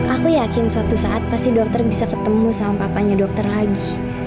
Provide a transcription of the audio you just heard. aku yakin suatu saat pasti dokter bisa ketemu sama papanya dokter lagi